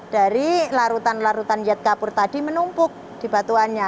dari larutan larutan diet kapur tadi menumpuk di batuannya